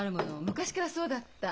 昔からそうだった。